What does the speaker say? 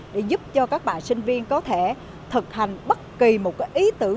để giúp cho các bạn sinh viên có thể thực hành bất kỳ một ý tưởng